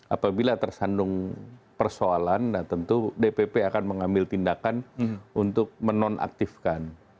apabila tersandung persoalan tentu dpp akan mengambil tindakan untuk menonaktifkan